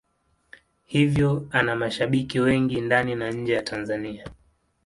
Hivyo ana mashabiki wengi ndani na nje ya Tanzania.